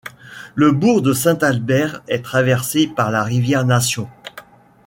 Le bourg de Saint-Albert est traversé par la rivière Nation.